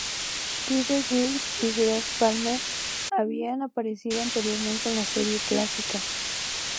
Clive Swift y Geoffrey Palmer habían aparecido anteriormente en la serie clásica.